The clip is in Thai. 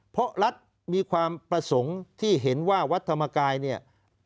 เพราะรัฐมีความประสงค์ที่เห็นว่าวัดธรรมกายเนี่ย